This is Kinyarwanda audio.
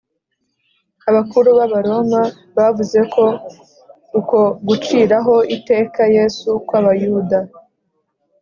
abakuru b’abaroma bavuze ko uko guciraho iteka yesu kw’abayuda